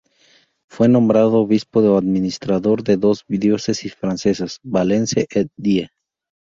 Fue nombrado obispo o administrador de dos diócesis francesas: Valence et Die.